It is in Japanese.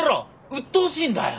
うっとうしいんだよ。